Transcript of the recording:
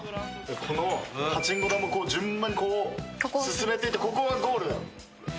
このパチンコ玉順番にこう進めていってここがゴール。